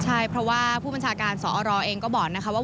ใช่เพราะผู้บัญชาการสรเองก็บอกว่า